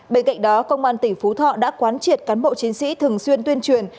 bên cạnh đó công an tỉnh phú thọ đã quán triệt cán bộ chiến sĩ thường xuyên tuyên truyền